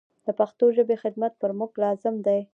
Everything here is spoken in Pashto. د پښتو ژبي خدمت پر موږ لازم دی.